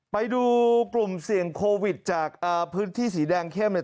ไปดูกลุ่มเสี่ยงโควิดจากพื้นที่สีแดงเข้มเนี่ย